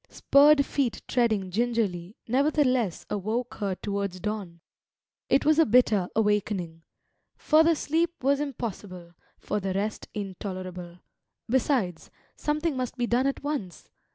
Spurred feet treading gingerly nevertheless awoke her towards dawn. It was a bitter awakening. Further sleep was impossible, further rest intolerable; besides, something must be done at once.